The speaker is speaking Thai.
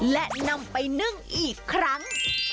และนำไปนึ่งอีกครั้ง